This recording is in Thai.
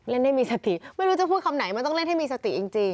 เล่นได้มีสติไม่รู้จะพูดคำไหนมันต้องเล่นให้มีสติจริง